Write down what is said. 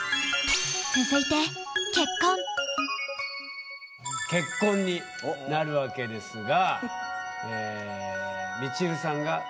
続いて結婚になるわけですが。